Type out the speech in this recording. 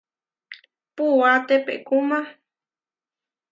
Puúa tepehkúma.